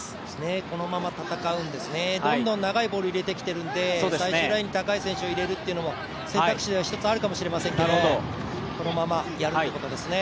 このまま戦うんですね、どんどん長いボールを入れてきているので、最終ラインに高い選手入れるというのも選択肢の一つにはあるのかもしれませんけどこのままやるということですね。